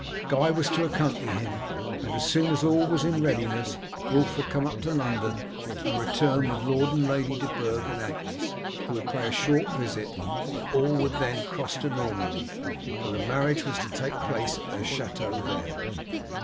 Guy was to accompany him, and as soon as all was in readiness Wulf would come up to London and return with Lord and Lady de Burg and Agnes, who would pay a short visit and all would then cross to Normandy, for the marriage was to take place at their chateau there.